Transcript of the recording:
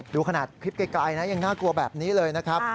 ดูขนาดคลิปไกลนะยังน่ากลัวแบบนี้เลยนะครับ